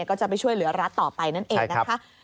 ก็จะไปช่วยเหลือรัฐต่อไปนั่นเองนะคะ